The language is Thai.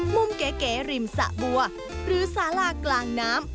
มุมเก๋ริมสะบัวหรือสาลากลางน้ำ